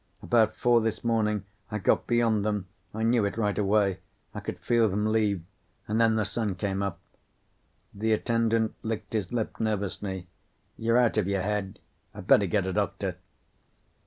About four this morning I got beyond them. I knew it right away. I could feel them leave. And then the sun came up." The attendant licked his lip nervously. "You're out of your head. I better get a doctor."